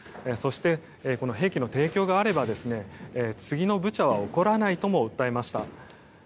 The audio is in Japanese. そして、兵器の提供があれば次のブチャは起こらないとも訴えました。